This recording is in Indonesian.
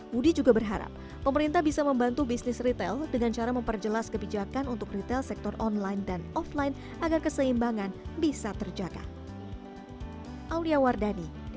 budi juga berharap pemerintah bisa membantu bisnis retail dengan cara memperjelas kebijakan untuk retail sektor online dan offline agar keseimbangan bisa terjaga